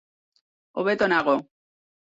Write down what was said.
Hobeto nago.